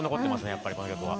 やっぱりこの曲は。